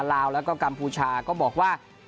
ลาวแล้วก็กัมพูชาก็บอกว่า